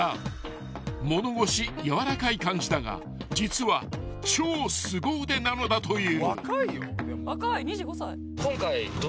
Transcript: ［物腰柔らかい感じだが実は超すご腕なのだという］